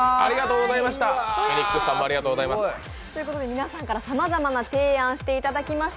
皆さんからさまざまな提案もしていただきました。